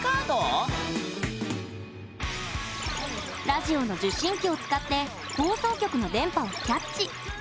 ラジオの受信機を使って放送局の電波をキャッチ。